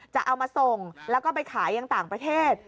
จะเอามาส่งแล้วก็ไปขายยังต่างประเทศ